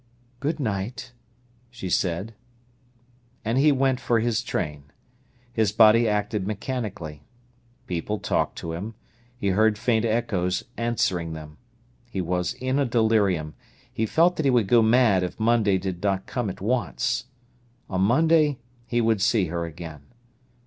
"Good night," she said. And he went for his train. His body acted mechanically. People talked to him. He heard faint echoes answering them. He was in a delirium. He felt that he would go mad if Monday did not come at once. On Monday he would see her again.